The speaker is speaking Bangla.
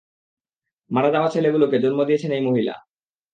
মারা যাওয়া ছেলেগুলোকে জন্ম দিয়েছেন এই মহিলা।